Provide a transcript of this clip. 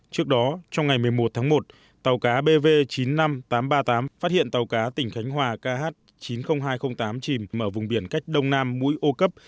trước đó trong ngày một mươi một tháng một tàu cá bv chín mươi năm nghìn tám trăm ba mươi tám phát hiện tàu cá tỉnh khánh hòa kh chín mươi nghìn hai trăm linh tám chìm ở vùng biển cách đông nam mũi ô cấp